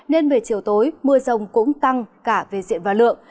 nên về chiều tối mưa rồng cũng tăng cả về diện và lượng